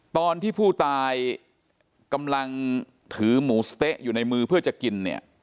ตอนที่ผู้ตายกำลังถือหมูสะเต๊ะอยู่ในมือเพื่อจะกินเนี่ย